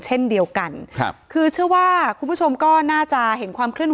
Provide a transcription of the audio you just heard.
เช่นเดียวกันครับคือเชื่อว่าคุณผู้ชมก็น่าจะเห็นความเคลื่อนไ